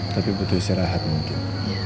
tapi butuh istirahat mungkin